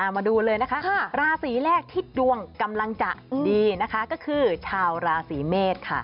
มาดูเลยนะคะราศีแรกที่ดวงกำลังจะดีนะคะก็คือชาวราศีเมษค่ะ